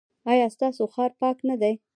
ایا ستاسو ښار پاک نه دی؟